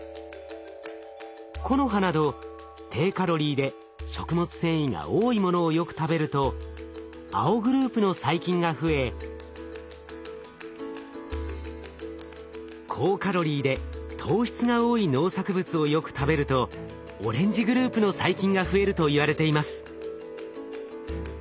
木の葉など低カロリーで食物繊維が多いものをよく食べると青グループの細菌が増え高カロリーで糖質が多い農作物をよく食べるとオレンジグループの細菌が増えるといわれています。